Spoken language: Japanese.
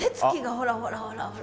ほらほらほらほら。